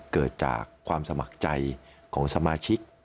เกิดจากความสมัครใจของสมาชิก